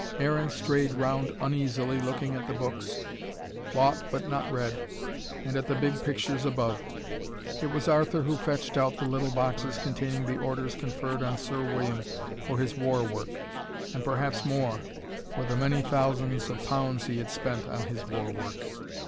Aaron strayed round uneasily looking at the books, bought but not read, and at the big pictures above. It was Arthur who fetched out the little boxes containing the orders conferred on Sir William for his war work: and perhaps more, for the many thousands of pounds he had spent on his war work.